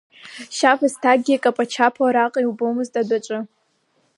Шьабысҭакгьы икаԥачаԥо, араҟа иубомызт адәаҿы.